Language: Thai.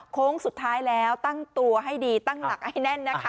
โค้งสุดท้ายแล้วตั้งตัวให้ดีตั้งหลักให้แน่นนะคะ